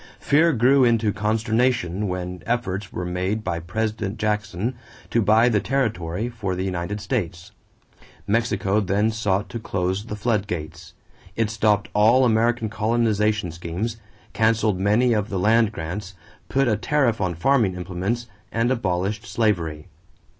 Fear grew into consternation when efforts were made by President Jackson to buy the territory for the United States. Mexico then sought to close the flood gates. It stopped all American colonization schemes, canceled many of the land grants, put a tariff on farming implements, and abolished slavery.